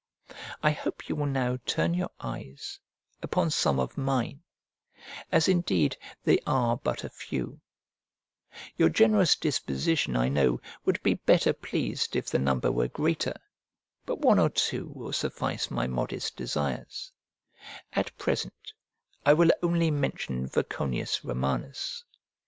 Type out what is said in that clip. I hope you will now turn your eyes upon some of mine: as indeed they are but a few Your generous disposition, I know, would be better pleased if the number were greater, but one or two will suffice my modest desires; at present I will only mention Voconius Romanus.